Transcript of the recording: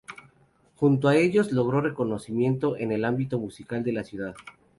Junto a ellos logró reconocimiento en el ámbito musical de la ciudad.